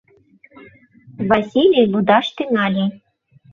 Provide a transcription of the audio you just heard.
Василий лудаш тӱҥале: